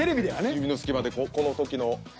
指の隙間でこの時の。